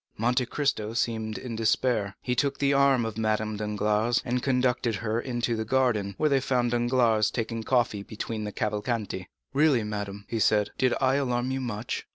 Monte Cristo seemed in despair. He took the arm of Madame Danglars, and conducted her into the garden, where they found Danglars taking coffee between the Cavalcanti. "Really, madame," he said, "did I alarm you much?"